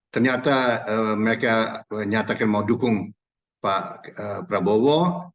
ternyata mereka menyatakan mau dukung pak prabowo